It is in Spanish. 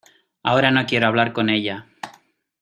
ahora no quiero hablar con ella.